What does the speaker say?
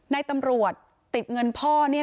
ในตำรวจติดเงินพ่อ